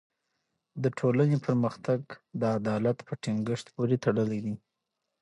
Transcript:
د ټولني پرمختګ د عدالت په ټینګښت پوری تړلی دی.